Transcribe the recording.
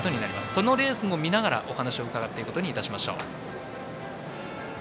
そのレースも見ながらお話を伺っていきましょう。